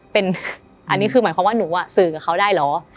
เป็นอันนี้คือหมายความว่าหนูสื่อกับเขาได้เหรอ